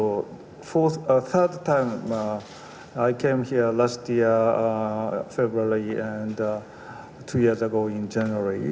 kali ketiga saya datang ke sini di bulan februari dan dua tahun lalu di januari